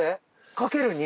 かける２？